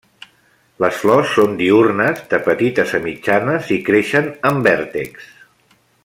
Les flors són diürnes, de petites a mitjanes i creixen en vèrtexs.